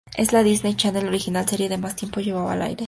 Es la Disney Channel Original Series que más tiempo lleva al aire.